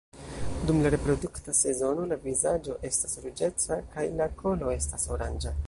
Dum la reprodukta sezono, la vizaĝo estas ruĝeca kaj la kolo estas oranĝa.